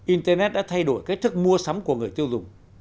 internet đã thay đổi cách thức mua sắm của người tiêu dùng